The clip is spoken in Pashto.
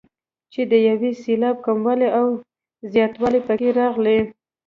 چې د یو سېلاب کموالی او زیاتوالی پکې راغلی.